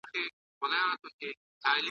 ستا قاتل سي چي دي زړه وي په تړلی ,